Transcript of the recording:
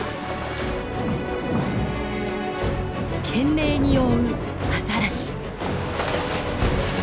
懸命に追うアザラシ。